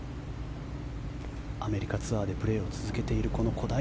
アメリカツアーでプレーを続けている小平。